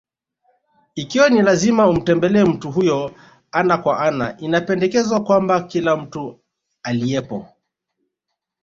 Ikiwa ni lazima umtembelee mtu huyo ana kwa ana, inapendekezwa kwamba kila mtu aliyepo: